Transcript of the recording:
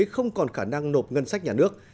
không còn khả năng nộp ngân sách nhà nước